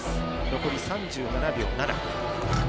残り３７秒７。